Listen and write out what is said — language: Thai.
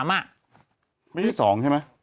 ไม่ได้ช่องใช่ไหม